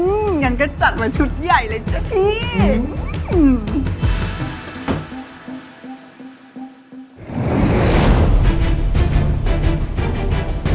งั้นก็จัดมาชุดใหญ่เลยจ้ะพี่